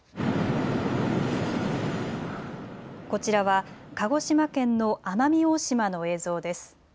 こちらは鹿児島県の奄美大島の映像です。